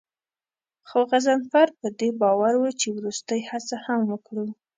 خو غضنفر په دې باور و چې وروستۍ هڅه هم وکړو.